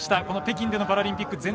この北京でのパラリンピック